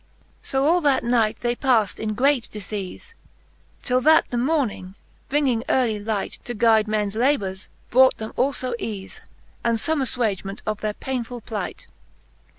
So all that night they paft in great difeafe, Till that the morning, bringing earely light To guide mens labours, brought them alfo eafe. And fome affwagement of their painefull plight.